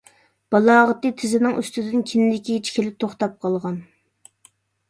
بالاغىتى تىزىنىڭ ئۈستىدىن كىندىكىگىچە كېلىپ توختاپ قالغان.